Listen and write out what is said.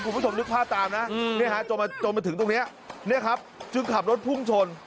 คุณผู้ชมนึกภาพตามนะจนมาถึงตรงนี้เนี่ยครับจึงขับรถพุ่งชน